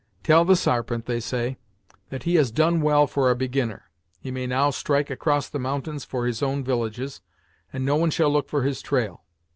'Tell the Sarpent, they say, that he has done well for a beginner; he may now strike across the mountains for his own villages, and no one shall look for his trail.